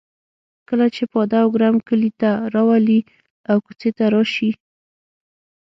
کله چې پاده او ګورم کلي ته راولي او کوڅې ته راشي.